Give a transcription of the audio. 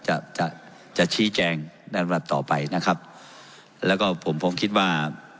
จะจะจะชี้แจงดังนั้นต่อไปนะครับแล้วก็ผมคงคิดว่า